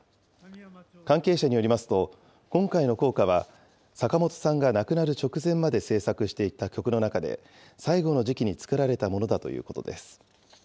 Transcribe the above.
関係者によりますと、今回の校歌は、坂本さんが亡くなる直前まで制作していた曲の中で、最後の時期に作られたものだということです。